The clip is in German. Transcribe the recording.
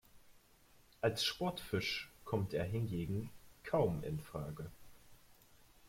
Als „Sportfisch“ kommt er hingegen kaum in Frage.